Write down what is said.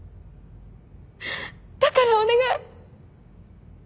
だからお願い。